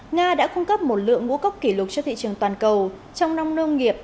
nga đã cung cấp một lượng ngũ cốc kỷ lục cho thị trường toàn cầu trong nông nông nghiệp